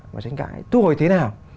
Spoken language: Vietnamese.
mà tranh cãi thu hồi thế nào